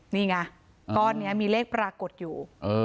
นี่ไงก้อนนี้มีเลขปรากฏอยู่